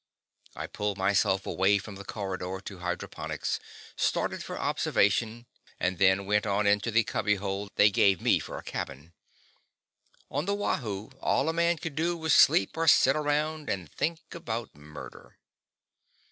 I pulled myself away from the corridor to hydroponics, started for observation, and then went on into the cubbyhole they gave me for a cabin. On the Wahoo, all a man could do was sleep or sit around and think about murder.